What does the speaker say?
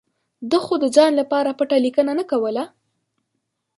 ده خو د ځان لپاره پټه لیکنه نه کوله.